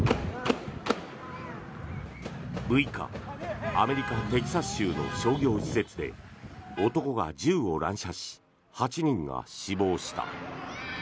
６日、アメリカ・テキサス州の商業施設で男が銃を乱射し８人が死亡した。